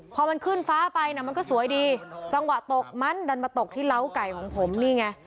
พอมันขึ้นฟ้าไปน่ะมันก็สวยดีจังหวะตกมันดันมาตกที่เล้าไก่ของผมนี่ไง